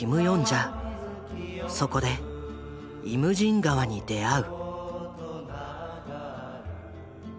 そこで「イムジン河」に出会う。